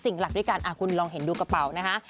หลักด้วยกันคุณลองเห็นดูกระเป๋านะคะ